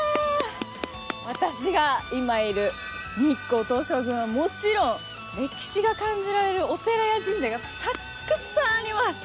私が今いる日光東照宮はもちろん歴史が感じられるお寺や神社がたっくさんあります。